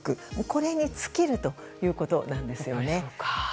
これに尽きるということです。